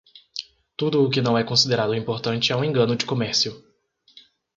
Tudo o que não é considerado importante é um engano de comércio.